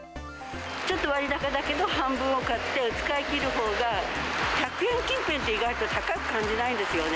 ちょっと割高だけど、半分を買って使い切るほうが、１００円近辺って意外と高く感じないんですよね。